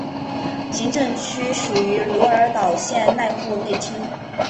行政区属于鹿儿岛县濑户内町。